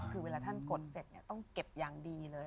คือเวลาท่านกดเสร็จต้องเก็บอย่างดีเลย